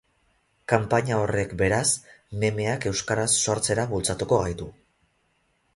Kanpaina horrek, beraz, memeak euskaraz sortzera bultzatuko gaitu.